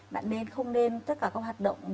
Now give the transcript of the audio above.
bạn nên không nên tất cả các hạt động